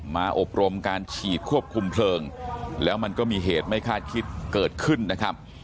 อบรมการฉีดควบคุมเพลิงแล้วมันก็มีเหตุไม่คาดคิดเกิดขึ้นนะครับ